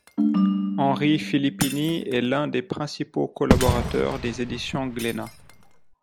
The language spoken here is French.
Henri Filippini est l'un des principaux collaborateurs des éditions Glénat.